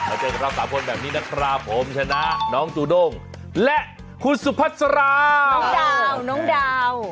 มาเจอกันครับสามคนแบบนี้นะครับผมชนะน้องตูด้งและคุณสุภัษราน้องดาว